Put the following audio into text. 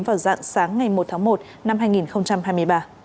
vào dạng sáng ngày một tháng một năm hai nghìn hai mươi ba